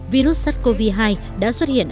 virus sars cov hai đã xuất hiện